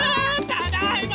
ただいま！